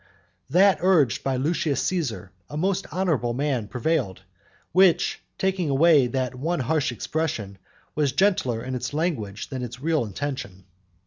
That urged by Lucius Caesar, a most honourable man, prevailed, which, taking away that one harsh expression, was gentler in its language than in its real intention.